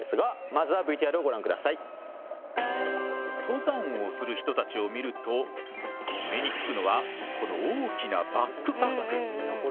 登山をする人たちを見ると目につくのはこの大きなバックパック。